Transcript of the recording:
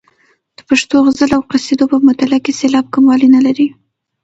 د پښتو غزل او قصیدو په مطلع کې سېلاب کموالی نه لري.